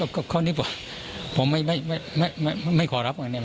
เราก็ข้อนี้ผมไม่ขอรับ